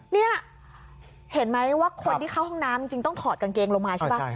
นี่เห็นไหมว่าคนที่เข้าห้องน้ำจริงต้องถอดกางเกงลงมาใช่ป่ะ